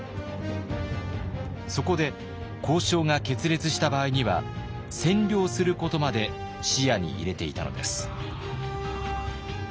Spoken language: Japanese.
そこで交渉が決裂した場合には占領することまで視野に入れていたのです。